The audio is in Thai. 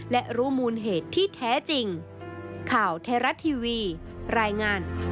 และรู้มูลเหตุที่แท้จริง